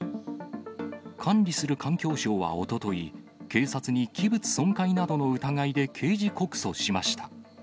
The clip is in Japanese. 管理する環境省はおととい、警察に器物損壊などの疑いで刑事告訴しました。